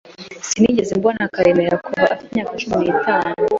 Sinigeze mbona Karemera kuva afite imyaka cumi n'itatu.